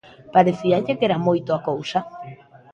¿Parecíalle que era moito a cousa?